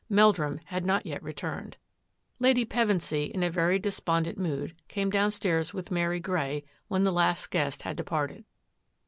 Meldrum had not yet returned. Lady Pevensy, in a very despondent mood, came downstairs with Mary Grey when the last guest had departed.